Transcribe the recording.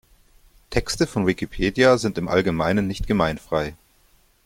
Texte von Wikipedia sind im Allgemeinen nicht gemeinfrei.